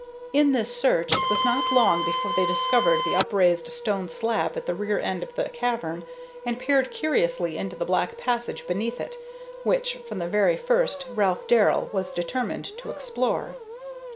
In this search it was not long before they discovered the upraised stone slab at the rear end of the cavern, and peered curiously into the black passage beneath it, which from the very first Ralph Darrell was determined to explore.